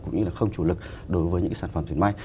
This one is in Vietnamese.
cũng như là không chủ lực đối với những sản phẩm diệt may